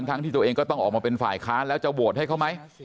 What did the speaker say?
ทั้งที่ตัวเองก็ต้องออกมาเป็นฝ่ายค้านแล้วจะโหวตให้เขาไหม